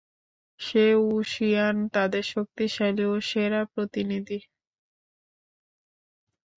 সে ঊশিয়ান, তাদের শক্তিশালী ও সেরা প্রতিনিধি।